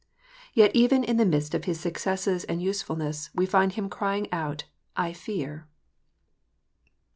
Yet even in the midst of his successes and usefulness we find him crying out, " I fear."